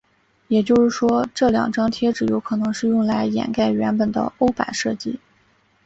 也就是说这两张贴纸有可能是用来掩盖原本的欧版设计。